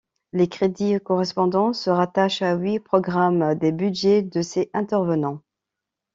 Les crédits correspondants se rattachent à huit programmes des budgets de ces intervenants.